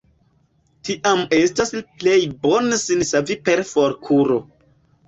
Tiam estas plej bone sin savi per forkuro.